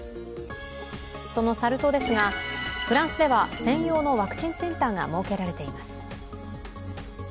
そのサル痘ですが、フランスでは専用のワクチンセンターが設けられています。